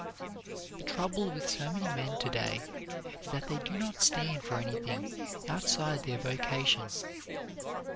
The trouble with so many men to day is that they do not stand for anything outside their vocation.